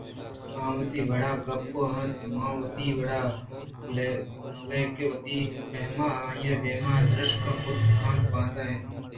آوتی وڑا گپ ءَ اَت ءُمن وتی لیکہ وتی پیم ءَ آئی ءِ دیمءَ درشان کُت اَنتءُباید اِنت